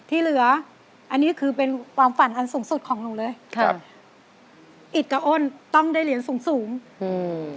ที่เหลืออันนี้คือเป็นความฝันอันสูงสุดของหนูเลยค่ะอิตกับอ้นต้องได้เหรียญสูงสูงอืม